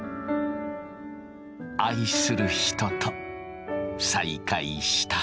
愛する人と再会した。